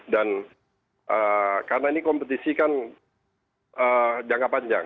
dan karena ini kompetisi kan jangka panjang